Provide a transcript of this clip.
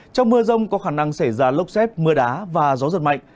trong mưa rông có khả năng xảy ra lốc xét mưa đá và gió giật mạnh